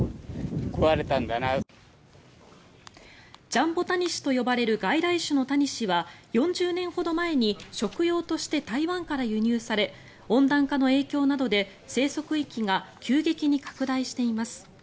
ジャンボタニシと呼ばれる外来種のタニシは４０年ほど前に食用として台湾から輸入され温暖化の影響などで生息域が急激に拡大しています。